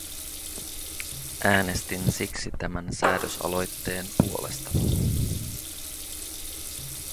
Äänestin siksi tämän säädösaloitteen puolesta.